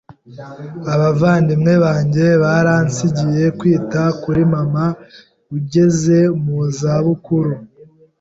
Abavandimwe banjye baransigiye kwita kuri mama ugeze mu za bukuru.